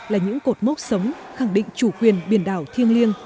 là những cột mốc sống khẳng định chủ quyền biển đảo thiêng liêng